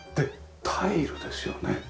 タイルですよね。